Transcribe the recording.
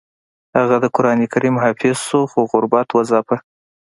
هغه د قران کریم حافظ شو خو غربت وځاپه